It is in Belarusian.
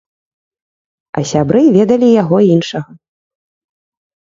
А сябры ведалі яго іншага.